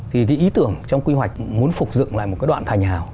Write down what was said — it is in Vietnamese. thì cái ý tưởng trong quy hoạch muốn phục dựng lại một cái đoạn thành hào